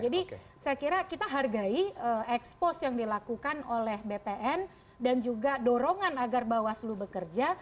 jadi saya kira kita hargai ekspos yang dilakukan oleh bpn dan juga dorongan agar bawaslu bekerja